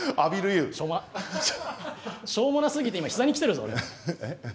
しょーもなすぎて今膝に来てるぞ俺。